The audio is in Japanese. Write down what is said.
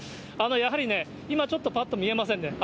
やはりね、今ちょっと、ぱっと見えませんね。